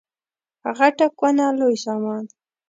غټه کونه لوی سامان.